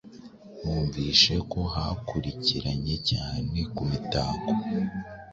Numvise ko hakurikiranye cyane kumitako